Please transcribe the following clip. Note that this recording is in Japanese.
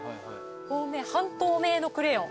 半透明のクレヨン。